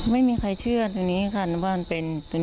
ไม่มีใครเชื่อตัวนี้ค่ะตัวนี้ไม่เชื่อจำเป็นพิเศษหมดเลยค่ะ